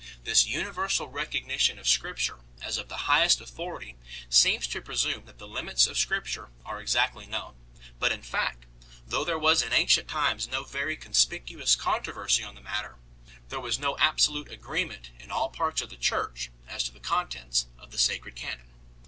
This universal recognition of Scripture as of the highest authority seems to presume that the limits of Scripture are exactly known. But in fact, though there was in ancient times no very conspicuous controversy on the matter, there was no absolute agree ment in all parts of the Church as to the contents of the Sacred Canon.